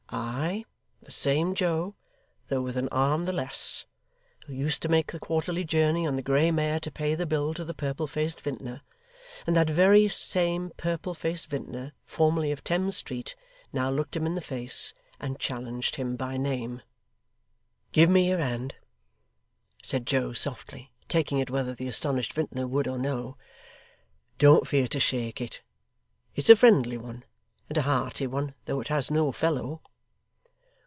Ay, the same Joe, though with an arm the less, who used to make the quarterly journey on the grey mare to pay the bill to the purple faced vintner; and that very same purple faced vintner, formerly of Thames Street, now looked him in the face, and challenged him by name. 'Give me your hand,' said Joe softly, taking it whether the astonished vintner would or no. 'Don't fear to shake it; it's a friendly one and a hearty one, though it has no fellow.